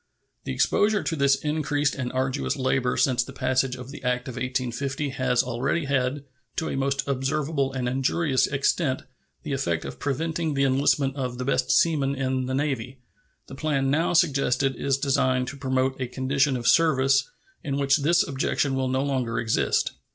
The exposure to this increased and arduous labor since the passage of the act of 1850 has already had, to a most observable and injurious extent, the effect of preventing the enlistment of the best seamen in the Navy. The plan now suggested is designed to promote a condition of service in which this objection will no longer exist.